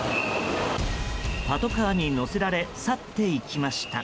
パトカーに乗せられ去っていきました。